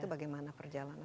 itu bagaimana perjalanannya